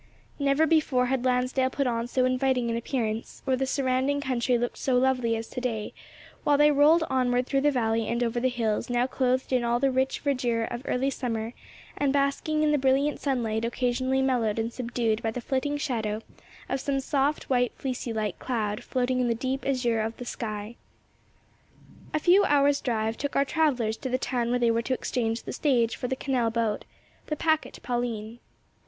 Never before had Lansdale put on so inviting an appearance, or the surrounding country looked so lovely as to day, while they rolled onward through the valley and over the hills now clothed in all the rich verdure of early summer and basking in the brilliant sunlight occasionally mellowed and subdued by the flitting shadow of some soft, white, fleecy like cloud floating in the deep azure of the sky. A few hours' drive took our travellers to the town where they were to exchange the stage for the canal boat, the packet Pauline.